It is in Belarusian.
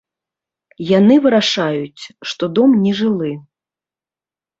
Яны вырашаюць, што дом не жылы.